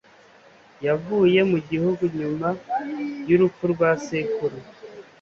yavuye mu gihugu nyuma y'urupfu rwa sekuru